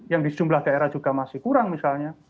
yang di jumlah daerah juga masih kurang misalnya